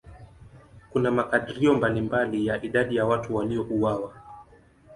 Kuna makadirio mbalimbali ya idadi ya watu waliouawa.